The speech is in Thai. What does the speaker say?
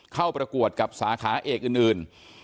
ประกวดกับสาขาเอกอื่น